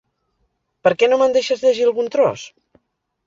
Per què no me'n deixes llegir algun tros?